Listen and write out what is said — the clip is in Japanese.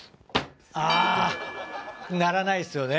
あぁ鳴らないですよね。